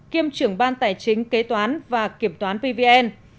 kiêm trưởng ban tài chính kế toán và kiểm toán pvn